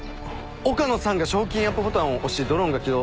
岡野さんが賞金アップボタンを押してドローンが起動。